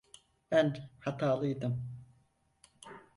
Ben hatalıydım.